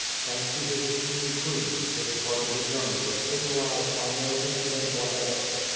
Thanks to his extreme prudence this part of the journey was signalized by no incident whatever.